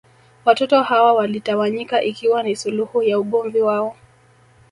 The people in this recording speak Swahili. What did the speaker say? Watoto hawa walitawanyika ikiwa ni suluhu ya ugomvi wao